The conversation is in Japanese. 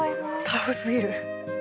タフすぎる。